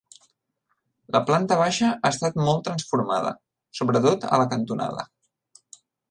La planta baixa ha estat molt transformada, sobretot a la cantonada.